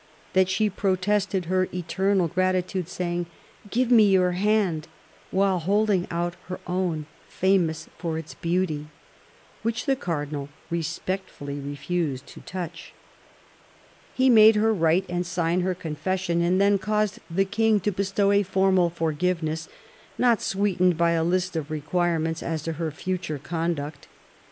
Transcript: that she protested her eternal gratitude, saying, "Give me your hand," while holding out her own, famous for its beauty ; which the Cardinal respectfully refused to touch. He made her write and sign her confession, and then caused the King to bestow a formal forgiveness, not sweetened by a list of requirements as to her future conduct.